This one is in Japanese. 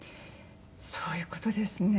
そういう事ですね。